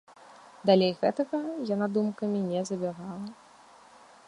Далей гэтага яна думкамі не забягала.